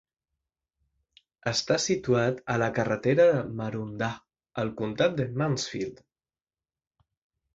Està situat a la carretera de Maroondah, al comtat de Mansfield.